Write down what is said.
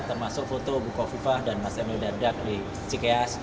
termasuk foto ibu khofifah dan mas emil dardak di cks